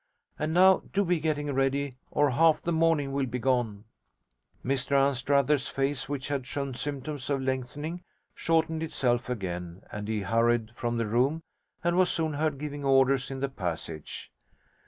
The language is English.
And now do be getting ready, or half the morning will be gone.' Mr Anstruther's face, which had shown symptoms of lengthening, shortened itself again, and he hurried from the room, and was soon heard giving orders in the passage.